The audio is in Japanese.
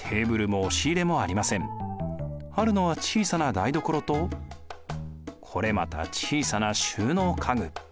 あるのは小さな台所とこれまた小さな収納家具。